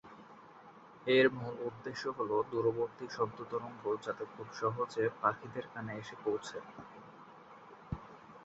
এর মূল উদ্দেশ্য হল দূরবর্তী শব্দ তরঙ্গ যাতে খুব সহজে পাখিদের কানে এসে পৌঁছে।